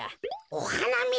おはなみ？